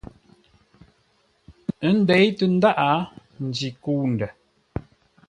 Ə́ ndéi tə ndáʼ, njî kə̂u ndə̂.